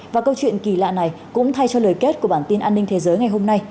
và câu chuyện kỳ lạ này cũng thay cho lời kết của bản tin an ninh thế giới ngày hôm nay